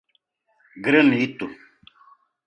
Granito